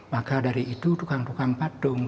maka dari itu tukang tukang padung